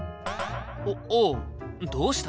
おっおうどうした？